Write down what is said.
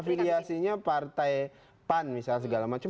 afiliasinya partai pan misalnya segala macam